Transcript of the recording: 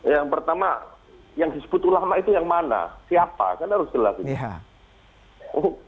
yang pertama yang disebut ulama itu yang mana siapa kan harus jelas ini